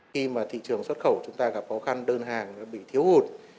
khi mà thị trường xuất khẩu chúng ta gặp khó khăn đơn hàng bị thiếu hụt